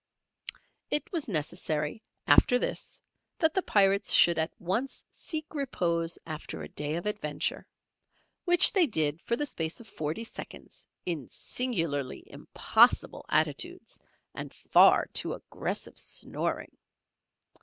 It was necessary after this, that the Pirates should at once seek repose after a day of adventure, which they did for the space of forty seconds in singularly impossible attitudes and far too aggressive snoring.